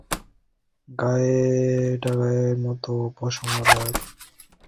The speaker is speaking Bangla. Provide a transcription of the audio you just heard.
এটা গামের মতো, পশমওয়ালা চুইংগাম বলা যায়।